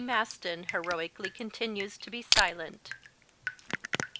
MASTON HEROICALLY CONTINUES TO BE SILENT.